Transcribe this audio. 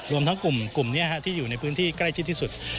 รวมทั้งกลุ่มนี้ที่อยู่ในพื้นที่ใกล้ชิดที่สุด